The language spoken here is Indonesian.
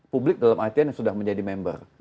publik dalam artian yang sudah menjadi member